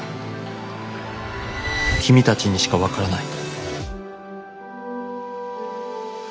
「君たちにしかわからない」。